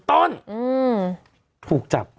ถูกจับ